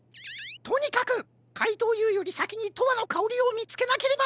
とにかくかいとうＵよりさきに「とわのかおり」をみつけなければ！